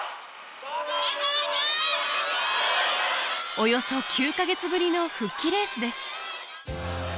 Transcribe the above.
およそ９か月ぶりの復帰レースです